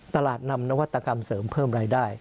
นำนวัตกรรมเสริมเพิ่มรายได้